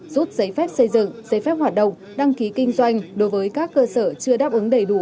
rút giấy phép xây dựng giấy phép hoạt động đăng ký kinh doanh đối với các cơ sở chưa đáp ứng đầy đủ